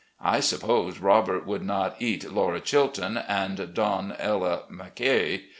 I suppose Robert would not eat 'Laura Chilton' and 'Don Ella McKay.